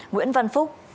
nguyễn văn phúc